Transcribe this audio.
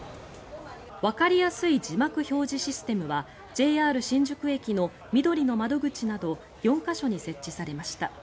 わかりやすい字幕表示システムはＪＲ新宿駅のみどりの窓口など４か所に設置されました。